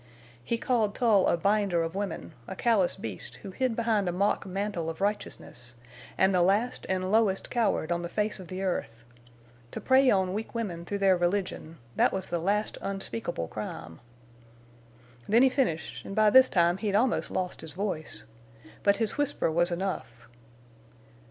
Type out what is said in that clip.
He called Tull a binder of women, a callous beast who hid behind a mock mantle of righteousness—an' the last an' lowest coward on the face of the earth. To prey on weak women through their religion—that was the last unspeakable crime! "Then he finished, an' by this time he'd almost lost his voice. But his whisper was enough.